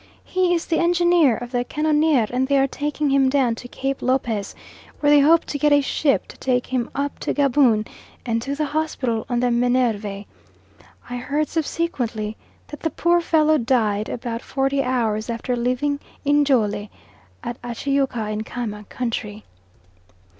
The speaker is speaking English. He is the engineer of the canoniere and they are taking him down to Cape Lopez, where they hope to get a ship to take him up to Gaboon, and to the hospital on the Minerve. I heard subsequently that the poor fellow died about forty hours after leaving Njole at Achyouka in Kama country.